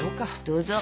どうぞ。